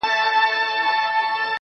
داسي دي سترگي زما غمونه د زړگي ورانوي.